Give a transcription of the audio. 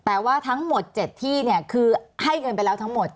แต่ว่าทั้งหมด๗ที่เนี่ยคือให้เงินไปแล้วทั้งหมด